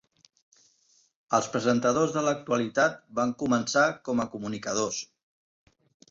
Els presentadors de l"actualitat van començar com a comunicadors.